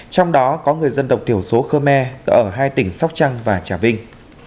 trong đó có người dân độc thiểu số khmer ở hai tỉnh sóc trăng và trà vinh